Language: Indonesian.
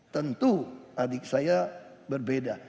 tentu adik saya berbeda